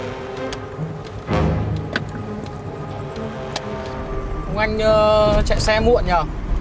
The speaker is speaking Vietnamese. ông anh chạy xe muộn nhờ